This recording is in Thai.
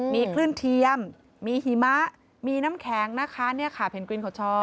มีคลื่นเทียมมีหิมะมีน้ำแข็งนะคะเนี่ยค่ะเพนกวินเขาชอบ